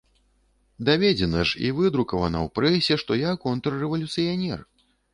Даведзена ж і выдрукавана ў прэсе, што я контррэвалюцыянер.